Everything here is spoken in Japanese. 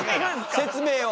説明を。